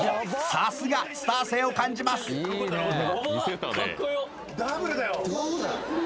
さすがスター性を感じます・かっこよ！